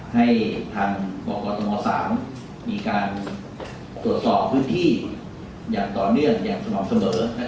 ให้ทางบกตม๓มีการตรวจสอบพื้นที่อย่างต่อเนื่องอย่างสม่ำเสมอ